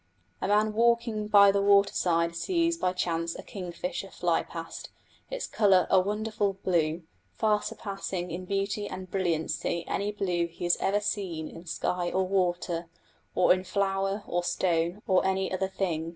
A man walking by the water side sees by chance a kingfisher fly past, its colour a wonderful blue, far surpassing in beauty and brilliancy any blue he has ever seen in sky or water, or in flower or stone, or any other thing.